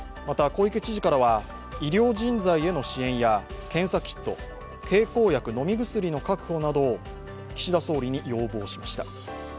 また、小池知事からは、医療人材への支援や検査キット、経口薬、飲み薬の確保などを岸田総理に要望しました。